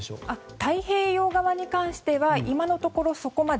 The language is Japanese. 太平洋側に関しては今のところ、そこまで。